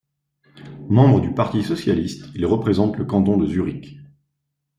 Membre du Parti socialiste, il représente le canton de Zurich.